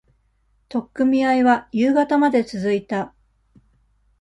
取っ組み合いは、夕方まで続いた。